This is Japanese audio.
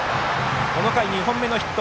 この回、２本目のヒット。